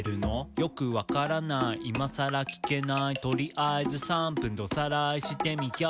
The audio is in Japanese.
「よく分からない今さら聞けない」「とりあえず３分でおさらいしてみよう」